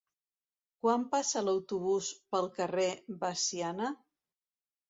Quan passa l'autobús pel carrer Veciana?